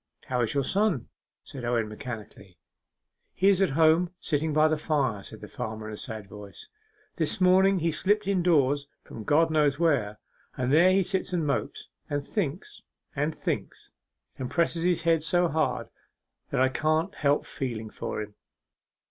'How is your son?' said Owen mechanically. 'He is at home, sitting by the fire,' said the farmer, in a sad voice. 'This morning he slipped indoors from God knows where, and there he sits and mopes, and thinks, and thinks, and presses his head so hard, that I can't help feeling for him.